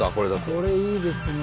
これいいですね。